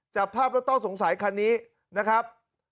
จับภาพรถต้องสงสัยคันนี้นะครับ